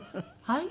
「はい？」